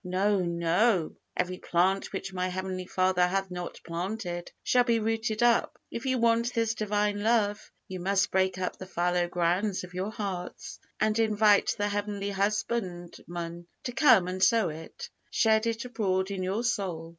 No, no! Every plant which my Heavenly Father hath not planted shall be rooted up. If you want this Divine love, you must break up the fallow ground of your hearts, and invite the Heavenly Husbandman to come and sow it shed it abroad in your soul.